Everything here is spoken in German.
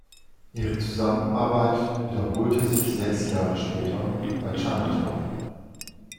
Ihre Zusammenarbeit wiederholte sich sechs Jahre später bei "Chinatown".